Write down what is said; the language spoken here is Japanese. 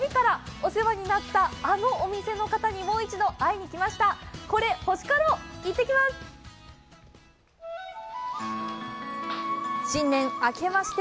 お世話になったお店の方々にもう一度会いに行ってきました！